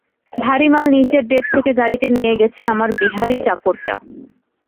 ভারি মাল নিচের ডেক থেকে গাড়িতে নিয়ে গেছে আমার বিহারী চাকরটা।